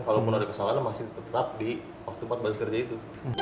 kalaupun ada kesalahan masih tetap di waktu empat belas kerja itu